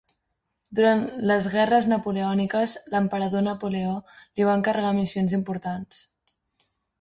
Durant les guerres napoleòniques, l'emperador Napoleó li va encarregar missions importants.